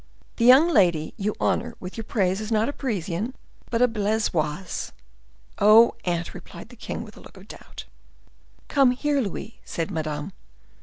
The young lady you honor with your praise is not a Parisian, but a Blaisoise." "Oh, aunt!" replied the king with a look of doubt. "Come here, Louise," said Madame.